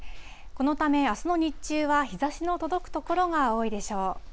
このため、あすの日中は日ざしの届く所が多いでしょう。